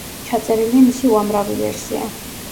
ჩაწერილია მისი უამრავი ვერსია.